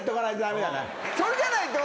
それじゃないと。